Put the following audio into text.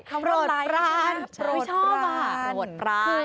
โปรดปรานโปรดปรานไม่ชอบอ่ะ